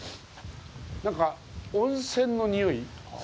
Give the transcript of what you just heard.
なんか温泉のにおい？